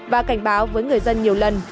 và cảnh báo với người dân nhiều lần